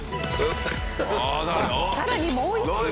さらにもう一枚！